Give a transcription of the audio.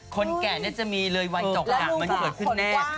คนแก่จะมีเลยวันตกกะมันเกิดขึ้นแน่